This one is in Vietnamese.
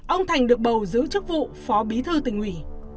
ông thành được bầu giữ chức vụ phó bí thư tỉnh ủy